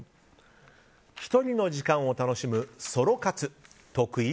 １人の時間を楽しむソロ活得意？